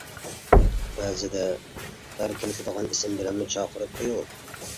بەزىدە ئەركىلىتىدىغان ئىسىم بىلەنمۇ چاقىرىپ قۇيۇڭ.